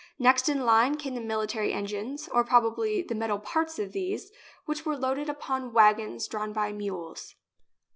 Next in line came the military engines, or, probably, the metal parts of these, which were loaded upon waggons drawn by mules.